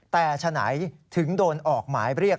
แต่ฉะไหนถึงโดนออกหมายเรียก